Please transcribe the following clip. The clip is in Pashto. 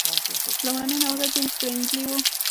لومړنی نوښتګر جېمز برینډلي و.